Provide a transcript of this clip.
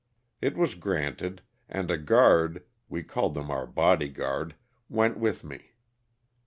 It was granted, and a guard (we called them our body guard) went with me.